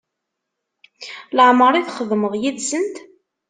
Laɛmeṛ i txedmem yid-sent?